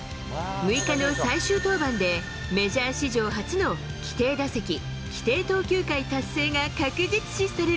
６日の最終登板でメジャー史上初の規定打席、規定投球回達成が確